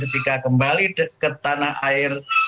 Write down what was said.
ketika kembali ke tanah air